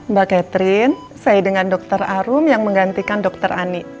mbak catherine saya dengan dr arum yang menggantikan dokter ani